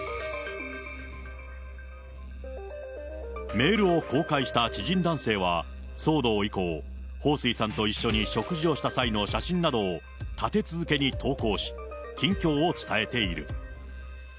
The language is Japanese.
メールを公開した知人男性は騒動以降、彭帥さんと一緒に食事をした際の写真などを立て続けに投稿し、近況を伝えている。